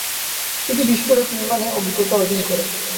তিনি বিস্ফোরক নির্মাণে অভিজ্ঞতা অর্জন করেন।